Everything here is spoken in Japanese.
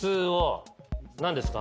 何ですか？